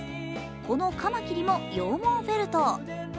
このカマキリも羊毛フェルト。